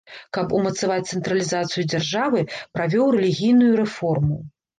Каб умацаваць цэнтралізацыю дзяржавы, правёў рэлігійную рэформу.